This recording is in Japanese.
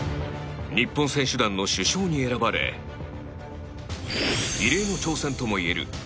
日本選手団の主将に選ばれ異例の挑戦ともいえる５